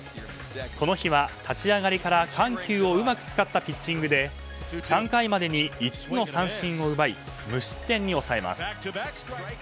この日は、立ち上がりから緩急をうまく使ったピッチングで３回までに５つの三振を奪い無失点に抑えます。